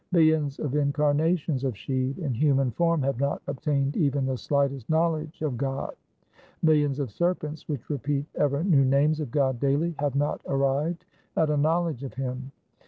Millions of incarnations of Shiv in human form have not obtained even the slightest knowledge of God. Millions of serpents which repeat ever new names of God daily, 5 have not arrived at a knowledge of Him.